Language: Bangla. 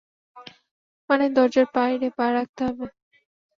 মানে, দরজার বাইরে পা রাখতে হবে!